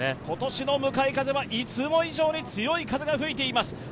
今年の向かい風はいつも以上に強い風が吹いています。